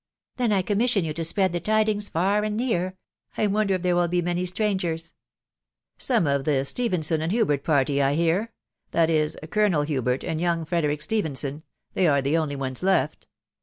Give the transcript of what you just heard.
" Then I commission you to spread the tidings far and near. I wonder if there will be many strangers ?"" Some of the Stephenson and Hubert party, I hear — that is, Colonel Hubert and young Frederick Stephenson — they are the only ones left.